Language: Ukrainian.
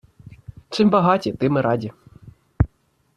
чим багаті, тим і раді